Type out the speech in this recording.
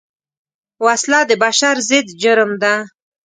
وسله د بشر ضد جرم ده